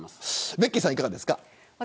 ベッキーさん、いかがですか。